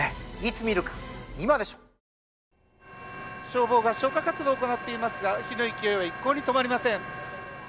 消防が消火活動を行っていますが火の勢いは一向に止まりません。